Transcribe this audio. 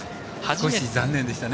少し残念でした。